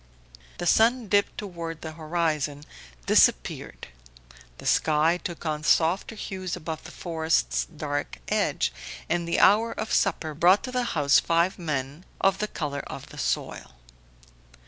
The sun dipped toward the horizon, disappeared; the sky took on softer hues above the forest's dark edge, and the hour of supper brought to the house five men of the colour of the soil.